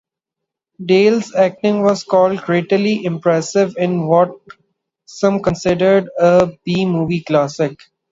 Dale's acting was called "grittily impressive" in what some consider a B-movie classic.